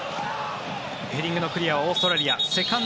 ヘディングのクリアはオーストラリア。